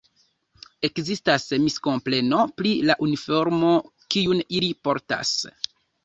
Ekzistas miskompreno pri la uniformo kiun ili portas.